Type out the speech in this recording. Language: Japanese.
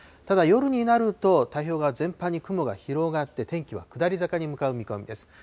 ただ夜になると、太平洋側全般に雲が広がって、天気は下り坂に向かう見込みです。